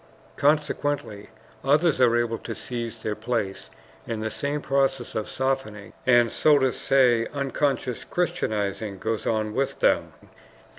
Consequently others are able to seize their place, and the same process of softening and, so to say, unconscious Christianizing goes on with them.